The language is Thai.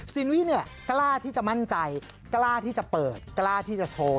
รี่เนี่ยกล้าที่จะมั่นใจกล้าที่จะเปิดกล้าที่จะโชว์